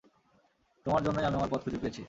তোমার জন্যই আমি আমার পথ খুঁজে পেয়েছি।